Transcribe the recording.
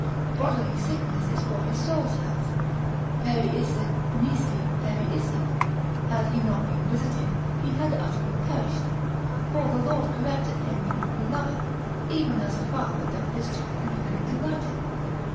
Bodily sickness is for his soul's health, periisset nisi periisset, had he not been visited, he had utterly perished; for the Lord correcteth him whom he loveth, even as a father doth his child in whom he delighteth.